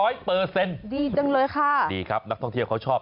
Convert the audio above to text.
ดีจังเลยค่ะดีครับนักท่องเที่ยวเขาชอบ